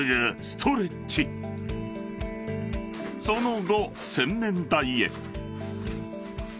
［その後］